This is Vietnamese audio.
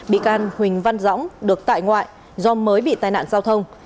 bị can huỳnh văn dõng được tại ngoại do mới bị tai nạn giao thông